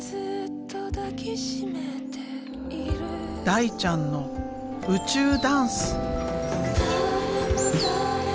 大ちゃんの宇宙ダンス！